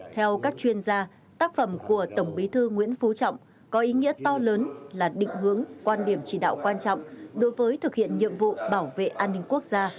theo các chuyên gia tác phẩm của tổng bí thư nguyễn phú trọng có ý nghĩa to lớn là định hướng quan điểm chỉ đạo quan trọng đối với thực hiện nhiệm vụ bảo vệ an ninh quốc gia